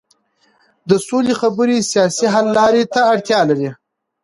د سولې خبرې سیاسي حل لارې ته اړتیا لري